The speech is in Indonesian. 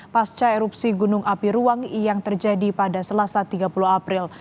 pasca erupsi gunung api ruang yang terjadi pada selasa tiga puluh april